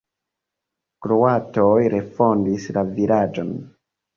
Kroatoj refondis la vilaĝon.